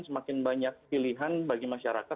semakin banyak pilihan bagi masyarakat